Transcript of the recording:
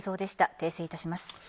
訂正いたします。